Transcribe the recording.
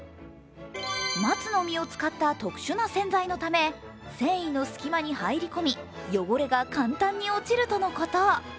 松の実を使った特殊な洗剤のため繊維の隙間に入り込み、汚れが簡単に落ちるとのこと。